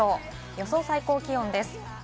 予想最高気温です。